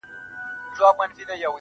ته باغ لري پټى لرې نو لاښ ته څه حاجت دى,